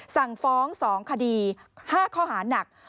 สั่งฟ้อง๒คดี๕ข้อหานัก